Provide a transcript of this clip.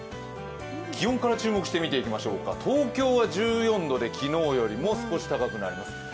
気温から注目してみていきましょうか、東京は１４度で昨日よりも少し高くなります。